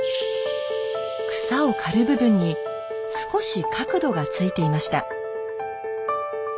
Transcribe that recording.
草を刈る部分に少し角度がついていました。